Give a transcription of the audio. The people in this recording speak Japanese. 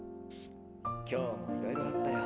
今日もいろいろあったよ。